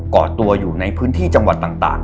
เกาะตัวอยู่ในพื้นที่จังหวัดต่าง